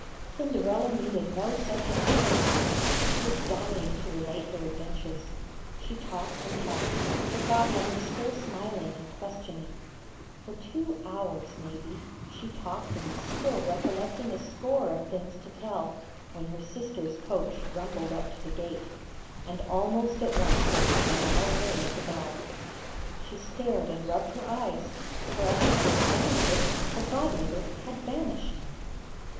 Cinderella needed no such invitation; she was dying to relate her adventures. She talked and talked, her godmother still smiling and questioning. For two hours, may be, she talked and was still recollecting a score of things to tell when her sisters' coach rumbled up to the gate, and almost at once there came a loud ring at the bell. She stared and rubbed her eyes, for at the first sound of it her godmother had vanished!